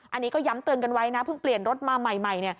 อันนี้ก็ย้ำเตือนกันไว้นะเพิ่งเปลี่ยนรถมาใหม่